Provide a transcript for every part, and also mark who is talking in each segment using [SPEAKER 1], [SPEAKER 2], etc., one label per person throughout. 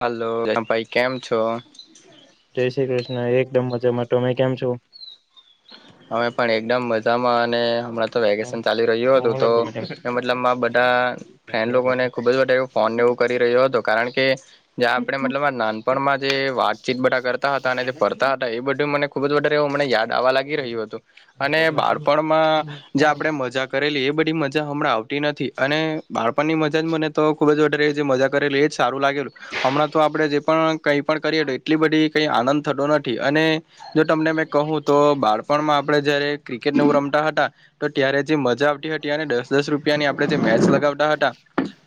[SPEAKER 1] Hello [unintelligible] ભાઈ કેમ છો?
[SPEAKER 2] જય શ્રી ક્રિષ્ણ એકદમ મજામાં, તમે કેમ છો?
[SPEAKER 1] હવે પણ એકદમ મજામાં અને હમણાં તો વેકેશન ચાલી રહ્યું હતું તો એમ મતલબ મા બધા ફ્રેન્ડ લોકોને ખૂબ જ બધે એવું ફોન ને એવું હુ કરી રહ્યો હતો, કારણ કે જ્યાં આપળે મતલબ નાનપણમાં જે વાતચીત બધા કરતા હતા ને જે ફર જતા હતા એ બધું મને ખુબ જ વધારે અમણે યાદ આવવા લાગ ગી રહ્યું હતું અને બાળપણમાં જે આપળે મજા કરેલી એ બધી મજા હમણાં આવતી નથી અને બાળપણ ની મજા જ મને તો ખુબ જ વધારે મજા કરેલી એજ સારું લાગેલું, હમણાં તો આપળે જે પણ કય કરીએ તો એટલી બધી કય આનંદ થતો નથી અને જો તમને મેં કહું તો બાળ પણ માં આપળે જયારે ક્રિકેટ ને એઉ રમતા હતા તો ત્યારે જે મજા આવતી હતી ત્યારે દસ-દસ રૂપિયાની આપળે જે મેચ લગાવતા હતા,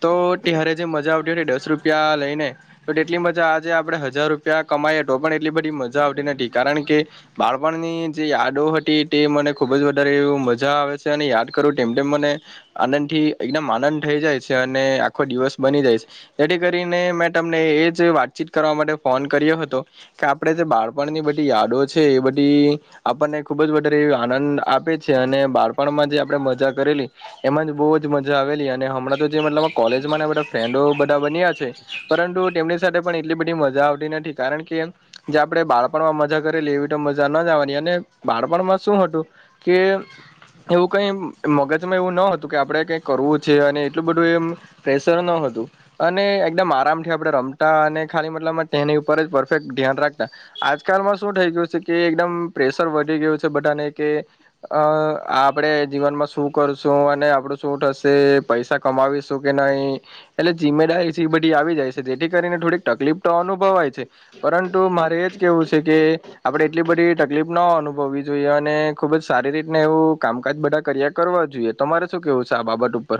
[SPEAKER 1] તો ત્યારે જે મજા આવટી હતી દસ રૂપિયા લઈને તો તેટલી મજા જે આપળે હજાર રૂપિયા [unintelligible] કમાયે તો પણ એટલી બધી મજા આવતી નથી, કારણ કે બાળપણની જે યાદો હતી તે મને ખુબ જ વધારે એવું મજા આવે છે અને યાદ કરું તેમ તેમ મને આનંદ થી એકમ આનંદ થઈ જાય છે અને આખો દિવસ બની જઈસ તેથી કરીને મેં તમને એજ વાતચીત કરવા માટે ફોન કર્યો હતો કે આપળે જે બાળપણની બધી યાદો છે એ બધી આપણને ખુબ જ વધારે આનંદ આપે છે અને બાળપણમાં જે આપળે મજા કરેલી એમાંજ બોજ મજા આવેલી અને હમળા. તો જે મતલબ મા કોલેજમાં બધા ફ્રેન્ડો બધા બન્યા છે પરંતુ તેમની સાથે પણ એટલી બધી મજા આવતી ન નથી કારણ કેયન જે આપળે બાળપણમાં મજા કરેલી એવી તો મજા નજ આવાની અને બાળપણમાં શું હતું કે એવું કઈ મગજમાં એવું ન હતું કે આપડે કઈક કરવું છે અને એટલું બધું એ એમ પ્રેશર ન હ તું અને એકદમ આરામથી આપળે રમતા અને ખાલી મતલબ મા તેની ઉપર જ પરફેક્ટ ધ્યાન રાખતા આજકાલમાં શું થઈ ગયું છે કે એકદમ પ્રેશ શર વધી ગયું છે બધાને કે, અ આપળે જીવનમાં શું કરશું અને આપળુ શું થશે, પૈસા કમાવીશું કે નહી એટલે જિમ્મેદારીસી બધી આવી જાય છે જેથી કરીને થોડીક તકલીફ તો અનુભવાય છે પરંતુ મારે એ જ કેવું છે કે આપડે એટલી બધી તકલીફ ન અનુભવવી જોઈએ અને ખુબ જ સારી રીતને એવું કામકાજ બધા કર્યા કરવા જોઈએ, તમારે શું કેવું [unintelligible] બાબટ ઉપર.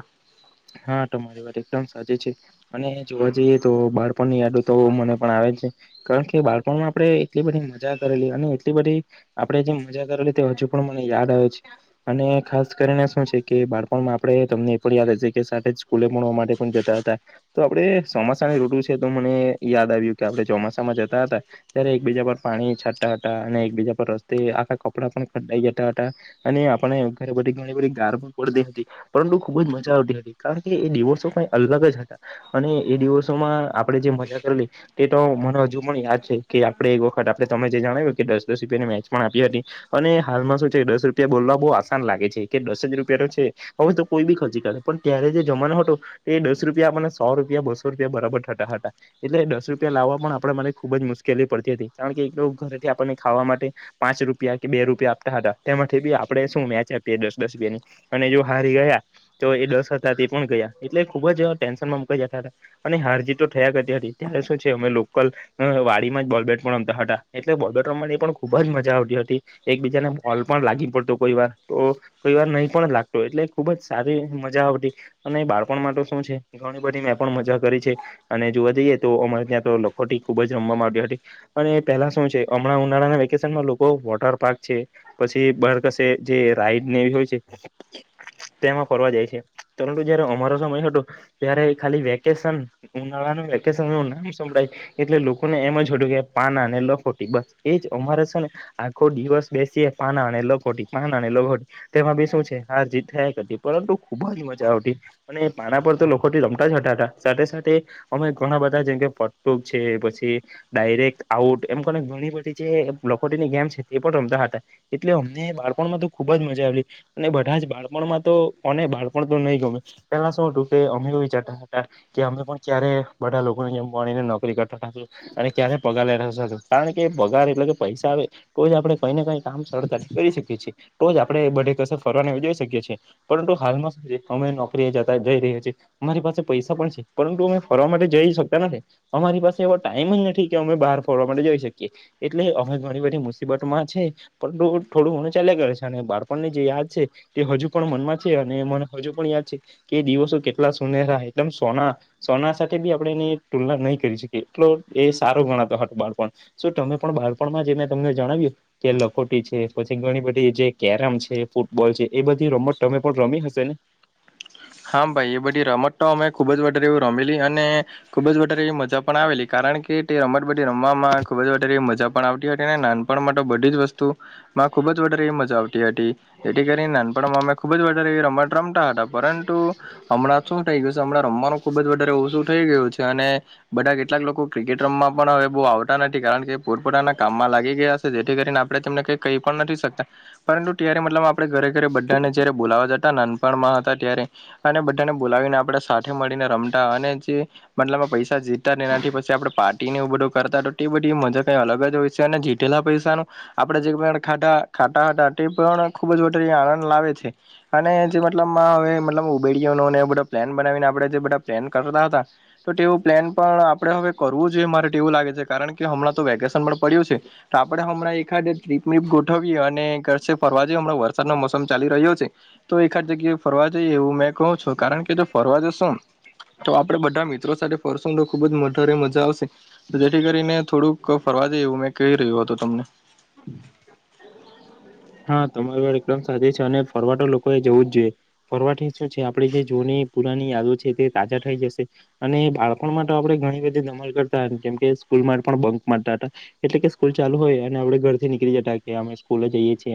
[SPEAKER 2] હા તમારી વાત એકદમ સાચી છે અને જોવા જઈએ તો બાળપણ ની યાદો તો મને પણ આવે છે કારણ કે બાળપણમાં આપળે એટલી બધી મજા કરેલી અને એટલી બધી આપડે જે મજા કરેલી તે હજુ પણ મને યાદ આવે છે [unintelligible] અને ખાસ કરીને શું છે કે બાળપણમાં આપળે તમને એ પણ યાદ [unintelligible] સાથે સ્કૂલે ભણવા માટે પણ જતા હતા તો આપડે ચોમાસા ની રઋટુ છે તો મને યાદ આવ્યું કે આપ ચોમાસામાં જતા હતા ત્યારે એકબીજા પર પાણી છાંટા હતા અને એકબીજા પર રસ્તે આખા કપડા પણ ખ જતા હતા અને આપને ઘરે બી ઘણી બધી ગ પણ પડતી હતી પરંતુ ખુબ જ મજા આવતી હતી કારણ કે એ દિવોસો કઈ અલગ જ હતા અને એ દિવોસોમાં આપણે જે મજા કરેલી તે તો. મને હજુ પણ યાદ છે કે આપે એક વખત આપણે તમે જે જણાવ્યું કે દસ દસપને મેચ પણ આપી હતી અને હાલમાં શું છે દસ રૂપિયા બોલવા બહુ આસાન લાગે છે કે દસ જ રૂપિયા નો છે હવે તો કોઈ બી ખર્ચ કર. પણ ત્યારે જે જમાનો હતો એ દસ રૂપિયા આપને સો રૂપિયા બસો રૂપિયા બરાબર થતા હતા એટલે દસ રૂપિયા લાવવા પણ આપ ખુબ જ મુશ્કેલી પડતી હતી કારણ કે એક લોકો ઘરેથી આપણને ખાવા માટે પાંચ રૂપિયા કે બે રૂપિયા આપતા હતા તેમાંથી બી આપણે શું મેચ આપી દસ દસ રૂપિયા ની અને જો હારી ગયા એ દસ હતા તે પણ ગયા એટલે ખુબ જ ટેન્શન માં મુકાયા હતા અને હારજી તો થયા કરતી હતી ત્યારે. શું છે અમે લોકલ વાડીમાં જ બોલબટ પણ રમતા હતા એટલે બોલ બેટ રમવા પણ ખુબ જ મજા આવતી હતી. એકબીજાને મોલ પણ લાગી પડતો કોઈ વાર તો કઈ વાર નહીં પણ લાગતો એટલે ખુબ જ સારું મજા આવતી અને બાળકોણ માટે શું છે ઘણી બધી મેં પણ મજા કરી છે અને જોવા જઈએ. અમારે ત્યાં તો લખોટી ખુબ જ રમવામાં આવતી હતી અને પેલા શું છે હમણાં ઉનાળાના વેકેશનમાં લોકો વોટર પાર્ક છે પછી બરકસે જે રાઈડને એવી હોય છે. તેમાં ફરવા જાય છે પરંતુ જયારે અમારો સમય હતો ત્યારે ખાલી વેકેશન ઉનાળા ન ું નામ સંભળાય એટલે લોકોને એમ જ જોડ્યું પાના ને લખોટી બસ એજ અમારે છે ને. આખો દિવસ બેસીએ પાના અને લખોટી પાના અને લખોટી તેમાં ભી શું છે હ જી પરંતુ ખુબ જ મજા આવતી અને પાના પર તો લોકો રમતા જ હટાતા સાથે સાથે અમે ઘણા બધા જેમ કે ફટો છે પછી ડાયરેક્ટ આઉટ એમ કોને ઘણી બધી જે લોકો પણ રમતા હતા એટલે અમને બાળપણમાં તો ખુબ જ મજા આવી અને બધા જ બાળપણમાં. તો અને બાળપણ તો નહી ગમે પેલા શું હતું કે અમે કો ચતા હતા કે અમે પણ ક્યારે બા લોકોને જેમ ભને નોકરી કરતા અને ક્યાં પગાર લે કારણ કે પગાર એટલે કે પૈસા આવે તો જ આપણે કઈ ને કઈ કામ સરળતાથી કરી શકીએ છીએ તો જ આપણેે બધે કસર ફરવાની જોઈ શકીએ છીએ. પરંતુ હાલમાં શ છે અમે નોકરી જતા જઈ રહ્યા છીએ અરી પાસે પૈસા પણ છે પરંતુ અમે ફરવા માટે જ નથી અરી પાસે એ ટાઈમ જ નથી કે અમે બહાર ફડવા માટે જઈ શકીએ એટલે અમેરી મુસીબત માં છે પણ થોડું ઘણું ચાલે કરે છે અને બાળપણ ની જે યાદ છે તે હજુ પણ મનમાં. અને મને હજુ પણ યાદ છે કે દિવસો કેટલા સોનેરા એકદમ સોના સોના સાથે બી આપણે તુલના નહી કરી શકી એટ એ સારો ગણાતો હતો બાળપણ તમે પણ બાળપણમાં તમને જણાવ્યું કે લખોટી છે પછી ઘણી બધી જે કેરમ છે ફૂટબોલ છે એ બધી રમત તમે પણ રમી હશે ને
[SPEAKER 1] હા ભાઈ એ બધી રમત તો અમે ખુબ જ વધારે એવું રમેલી અને ખુબ જ વધારે એવી મજા પણ આવેલી. કારણ કે તે રમત બધી રમવામાં ખુબ જ વધારે મજા પણ આવતી હતી ને નાનપણ માટે બધી જ વસ્તુ મા ખુબ જ વધારે એવી મજા આવતી હતી એ કરી નાન પણ મેમે ખુબ જ વધારે એ રમ રમતા હતા પરંતુ હમણાં શું થઇ ગયું છે હમણાં રમવાનું ખુબ જ વધારે ઓછું થઈ ગયું છે અને બધા કેટલાક લોકો ક્રિકેટ રમમાં પણ હવે બહુ આવતા નથી કારણ કે પોરપોતાના કામમાં લાગી ગયા હ છે જેથી કરીને તેમને કઈ કઈ પણ નથી શકતા પરંતુ ત્યારે મતલબ આપણે ઘરે ઘરે બધાને જયારે બોલાવા જતા નાનપણમાં હતા અને બધાને બોલાવીને આપણે સાથે મળીને રમતા અને જે મતલબ પૈસા જીતા એનાથી પછી આપણે પાર્ટ. ને એવ બધું કરતા બધી મજા ક અલગ જ હોય છે અને જીતેલા પૈસાનું આપે જે ખાતાટ ખાટા હટાટી પણ ખુબ જ વધારે આનંદ લાવે છે અને જે મતલબ હ મ ઉેડી બધ પ્લાન બનાવીને આપે જે બધા પ્લાન કરતા હતા તો તેું પ્લેન પણ પણ આપણે હવે કરવું જોઈએ મારે એવું લાગે છે કારણ કે હમણાં તો વેકેશન પણ પડ્યું છે તો આપડે હમણાં એાદ ટ્રીપપ ગોઠવીએ અને ઘષે ફરવા જે હમણાં વરસાદનો મોસમ ચાલી રહ્યો છે તો એાદ જગ્યાએ ફરવા જઈએ એવું મેં કહું છું કારણ કે જો ફરવા જશું તો આપડે બધા મિત્ર મિત્ર સાથે ફરશું તો ખુબ જ મોઢારે મજા આવશે તો જેથી કરીને થોડુંક ફરવા જે એવું મેં કહી રહ્યું હત. તમને
[SPEAKER 2] હા તમારી વાર એકદમ સાચે છે અને ફરવાઠો લોકો એ જવું જ જોઈએ ફરવાઠ શું છે આપડી જે જૂની પુરાની યાદો છે તે તાજા થઈ જશે અને બાળપણ માટે આપણે ઘણી બધી દમલ કરતા કેમ સ્કૂલ પણ બંક માતા હતા એટલે કે સ્કૂલ ચાલુ હોય અને આપણે ઘરથી નીકળી જતા કે અમે સ્કૂલે જઈએ છીએ.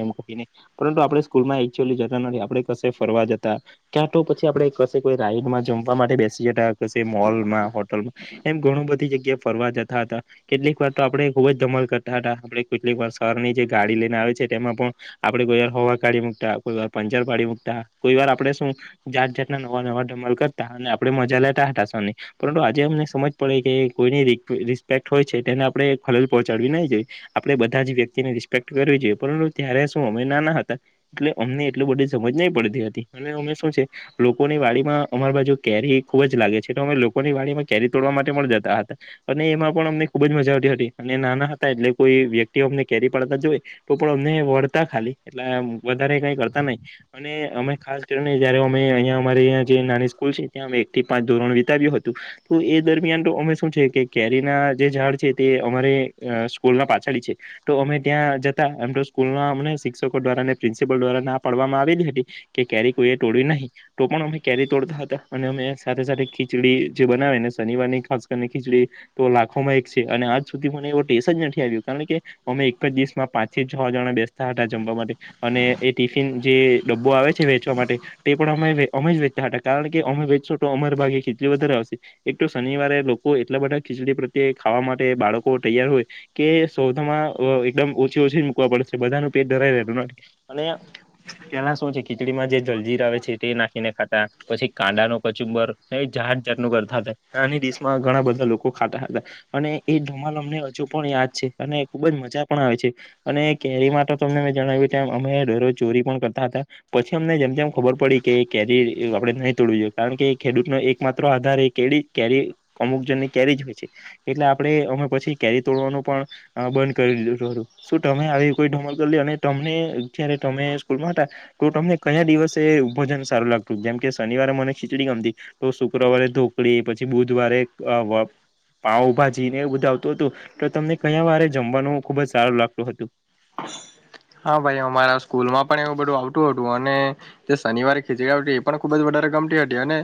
[SPEAKER 2] પરંતુ આપ સ્કૂલમાં જતા નથી આપડે ક ફરવા જતા ક્યાં તો પછી આપડે કોઈ રાઈડમાં જમવા માટે બેસી જતા મોલમાં હોટલમાં એમ ઘણું બધી જગ્યા ફરવા જતા કેટલીક વાર તો આપડે ખુબ જ ધમણ કરતા હતા આપડે કેટલીક વાર શર ની જે ગાડી લઈને આવે છે તેમાં પણ આપે કોઈ વાર હોવા કાઢી મૂકતા કોઈ વાર પંચર પાડી મૂકતા કોઈ વાર આપડે શું જાત જા નવા નવામલ કરતા અને આપડે મજા લેતાાસવાની પરંતુ આજે અમને સમજ પડે કે કોઈની રિસ્પેક્ટ હોય છે તેને આપણેે ખલહોચાડવી ના જોઈએ આપણે બધા જ વ્યક્તિને રિસ્પેક્ટ કરવી જોઈએ પરંતુ ત્યારે શું અમે નાના હતા એટલે અમને એટલ બધી સમજ નહી પડતી હતી અને અમે શું છે લોકોની વાડીમાં અમારી બાજુ કેરી ખુબ જ લાગે છે તો અમે લોકોની વાડીમાં કેરી તોડવા માટે મળ જતા હતા અને એમાં પણ અમને ખુબ જ મજા આવતી હતી અને નાના હતા એટલે કોઈ વ્યક્તિ અમને કેરી પાડતા જોઈ તો પણ અમને વળતા ખાલી એટલે વધારે કઈ કરતા નહી અને અમે ખાસ કરીને જયારે અમે અયા અમારે જે નાની સ્કૂલ છે ત્યામે એક થી પાંચ ધોરણ વિતાવ્યું હતું તો એ દરમિયાન તો અમે શું છે કેરી ના જે ઝાડ છે તે અમારે સ્કૂલ ના પાછડી છે તો અમે ત્યાં જે એમ તો સ્કૂલમને શિક્ષકો દ્વારાને પ્રિન્સિપલ દ્વારા ના પાડવામાં આવેલી હતી કે ક્યારેય કોઈએ ટોળ્યું ન પણ અમેરી તોડતા હતા અનેમે સાથે સાથે ખીચડી જે બનાવેને શનિવાર ની ખાસ કરીને તો લાખોમાં એક છે અને આજ સુધી મને એવો ટેસ જ નથી આવ્યો કારણ કે અમે એક જ દિવસમાં પાંચ થી છ જણા બેસતા હતા જમવા માટે અને એ ટિફિન જે ડબ્બો આવે છે વેચવા માટે તે પણ અમે વેચતા હતા કારણ કે અમે વેચો તો અમર ભાગે ખીલી વધારે આવશે એક તો શનિવારે લોકો એ ટ બધા ખીચડી પ્રત્યે ખાવા માટે બાળકો તૈયાર હોય કે સૌમાં એકદમ [unintelligible] સી ઓછી જ મકવા પડશે બધાનું પેટ ધરાય ર અને પેલા શું છે ખીચડીમાં જે જલજીીર આવે છે તે નાખીને ખાતા પછી કાંડાનો કચુંબર જાટું કરતા હતા આની દસમાં ઘણા બધા લોકો ખાતા હતા અને એ ધુમાલમને હજુ પણયા છે અને ખુબ જ મજા પણ આવે છે અને કેરી માટે તો અમને જણાવ્યું અમે ડરો ચોરી પણ કરતા હતા પછી અમને જેમ જેમ ખબર પ કે કેરી આપે નહી તોડવી જોઈએ કારણ કે ખેડૂત ન એક માત્ર આધાર એ કે કેરી અમુક ની કેરી હોય છે એટલે આપણેે અમે પછી કેરી તોડવાનું પણ બંધ કરીું શું તમે આવી કોઈ ઢોમલ કરી લ અને તમને જ્યારે તમે સ્કૂલમાં હતા તો તમને કયા દિવસે ભજન સારું લાગતું જેમ કે શનિવારે મને ખીચડી ગમતી તો શુક્રવારે ઢોકળી પછી બુધવારે [inaudible] પાઉભાજી જીને એવું બધ આવતું હતું તો તમને કયા વારે જમવાનું ખુબ જ સારું લાગતું હતું
[SPEAKER 1] હા ભાઈ અમારા સ્કૂલ માં પણ એવું પડું આવતું હતું અને તે શનિવારે ખીચડી આવ એ પણ ખુબ જ વધારે ગમટી હતી અને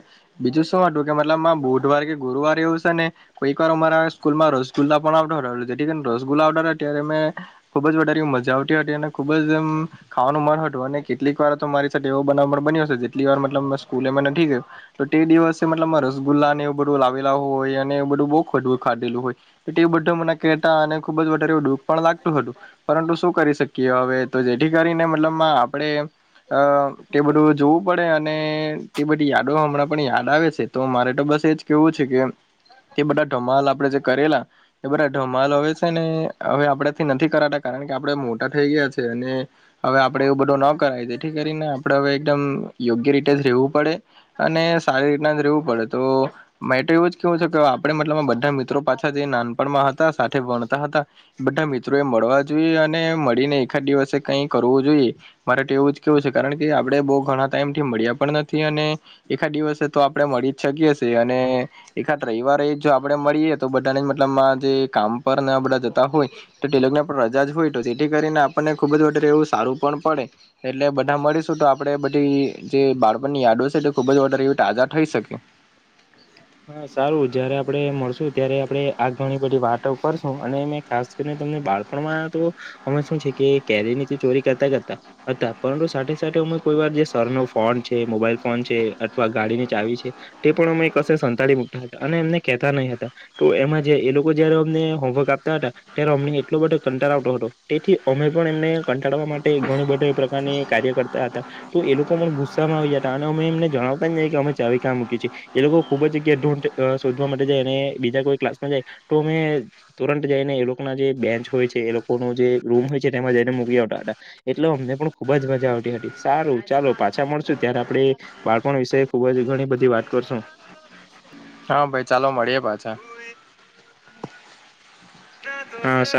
[SPEAKER 1] બીજું શું હતું [unintelligible] કે મતલબ માં બુધવાર કે ગુરવાર એવું છે ને કોઈક વાર અમારા સ્કૂલ માં રસગુલ્લા પણ આવ રસગુલ્લા ત્યારે મેં ખુબ જારે મજા આવતી હતી અને ખુબ જ એમ ખાવાનું મન હતું અને કેટલીક વાર તો મારી સાથે એવો બના બની્યો હશે જેટલી વાર મતલબ સ્કૂલે મે નથી ગયું તો તે દિવસે મતલબ રસગુલ્લા એવું બધું લાવેલા હો અને એ બધું બહુ ખવું ખાધેલું હોય એટલે એ બધું મને કેતા અને ખુબ જ વધારે દુઃખ પણ લાગતું હતું પરંતુ શું કરી શકીએ હવે તો જેથી કરીને મતલબ માં આપણે અ તે બધું જોવું પડે અને તે બધી યાદો હમણાં પણ યાદ આવે છે. તો મારે તો બસ એજ કેવું છે કે એ બધા ધમાલ આપડે જે કરેલા એ બધા ધમાલ હવે છે ને હવે આપડા થી નથી કરાતા કારણ કે આપડે મોટા થઈ ગયા છે અને હવે આપણેે એવું બધું ન કરાય તેથી કરીને આપણે હવે એકદમ યોગ્ય રીતે જ રેવું પડે. અને સારી રીતના રેવું પડે તો મે તો એવું જ કેવું છે કે આપડે મતલબ બધા મિત્રો પાછા જે નાનપણમાં હતા સાથે ભણતા હતા બધા મિત્રો એ મળવા જોઈએ અને મળીને એકાદ દિવસે કઈ કરવું જોઈએ મારે તો એવું જ કેવું છે કારણ કે આપડે બો ઘણા ટાઈમ થી મળ્યા પણ નથી અને એખાદ દિવસે તો આપડે મળી શકીએ અને એખાદ રયવારે જો આપડે મળીએ તો બધાને મતલબ કામ પર બધા જતા હોય તો તે લોકને રજા જ હોય તો જેથી કરીને આપણને ખુબ જ વધારે એવું સારું પણ પડે એટલે બધા મળીશું તો આપડે [unintelligible] જે બાળપણની યાદો સે તે ખુબ જ વધારે એવી તાજા થઈ શકે
[SPEAKER 2] હા સારું જયારે આપડે મળશું ત્યારે આપડે આ ઘણી બધી વાતો કરશું અને મે ખાસ કરીને તમને બાળપણમાં તો અમે શું છે કે કેરી ની તો ચોરી કરતા કરતા હતા હતા પરંતુ સાથે સાથે કોઈ વાર જે સર નો ફોન છે મોબાઈલ ફોન છે અથવા ગાડીની ચાવી છે તે પણ અમે કસે સંતાળી મુકતા હતા અને એમને કેતા નહીં હતા તો એમાં જે એ લોકો જયારે અમને હોમવર્ક આપતા હતા ત્યારે અમને એટલો બધો કંટાળ આવતો હતો તેથી અમે પણ એમને કંટાળવા માટે ઘણી બધા પ્રકારની કાર્ય કરતા હતા તો એ લોકો પણ ગુસ્સામાં આવી જતા અને અમે એમને જણાવતા જ નહી કે અમે ચાવી કા મુકી છે. એ લોકો ખુબ જ જગ્યા ઢો શોધવા માટે જાય અને બીજા કોઈ ક્લાસ માં જાય તો અમે તુરંત જઈને એ લોકો ના જે બેન્ચ હોય છે એ લોકો ન જે રૂમ હોય છે તેમાં જઈને મૂકી આવતા તા એટલે અમને પણ ખુબ જ મજા આવ હતી સારું ચાલો પાછા મળશું ત્યારે આપડે બાળપણ વિશે ખુબ જ ઘણી બધી વાત કરશું.
[SPEAKER 1] હા ભાઈ ચાલો મળીએ પાછા.
[SPEAKER 2] હા સા